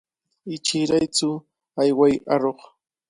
Ichiraytsu, ayway aruq.